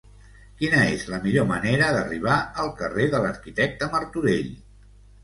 Quina és la millor manera d'arribar al carrer de l'Arquitecte Martorell?